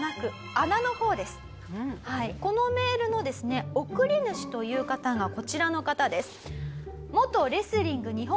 このメールのですね送り主という方がこちらの方です。